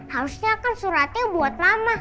harusnya kan suratnya buat lama